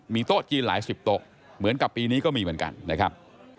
โต๊ะจีนหลายสิบโต๊ะเหมือนกับปีนี้ก็มีเหมือนกันนะครับ